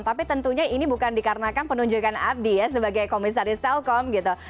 tapi tentunya ini bukan dikarenakan penunjukan abdi ya sebagai komisaris telkom gitu